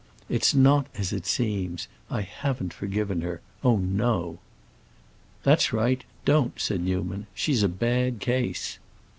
"It's not as it seems. I haven't forgiven her. Oh, no!" "That's right; don't," said Newman. "She's a bad case."